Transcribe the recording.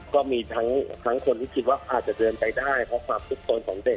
ก็มีทั้งคนที่คิดว่าอาจจะเดินไปได้เพราะความสุขสนของเด็ก